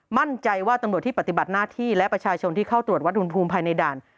มั่นใจว่าตำรวจที่ปฏิบัติหน้าที่และประชาชนที่เข้าตรวจวัดอุณหภูมิภายในด่าน